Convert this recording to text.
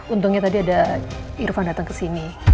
untungnya tadi ada irfan dateng kesini